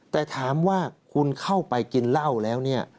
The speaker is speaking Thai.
แต่ถามว่าคุณเข้าไปกินเหล้าแล้วเนี่ย